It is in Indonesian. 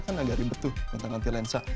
kan agak ribet tuh gonta ganti lensa